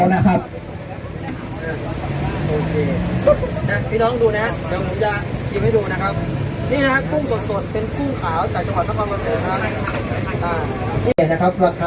สวัสดีครับทุกคนวันนี้เกิดขึ้นทุกวันนี้นะครับ